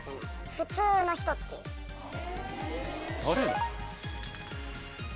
普通の人！っていう。